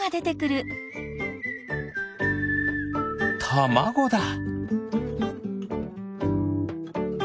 たまごだ！